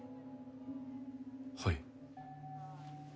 はい。